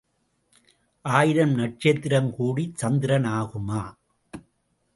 ஆயிரம் நட்சத்திரம் கூடிச் சந்திரன் ஆகுமா?